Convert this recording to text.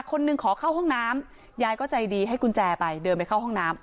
คนหนึ่งขอเข้าห้องน้ำยายก็ใจดีให้กุญแจไปเดินไปเข้าห้องน้ำ